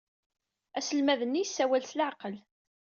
Aselmad-nni yessawal s leɛqel.